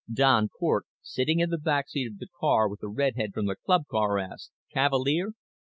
Don Cort, sitting in the back seat of the car with the redhead from the club car, asked, "Cavalier?"